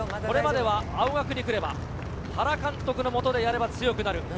これまでは青学に来れば、原監督の下でやれば強くなる。